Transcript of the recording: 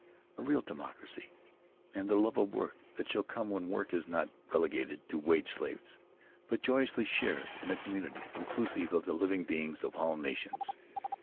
A real democracy and the love of work that shall come when work is not relegated to wage slaves, but joyously shared in a community inclusive of the living beings of all nations.